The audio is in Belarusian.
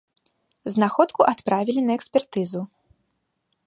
Знаходку адправілі на экспертызу.